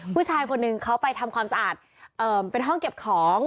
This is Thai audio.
ผู้ชายคนหนึ่งเขาไปทำความสะอาดเป็นห้องเก็บของ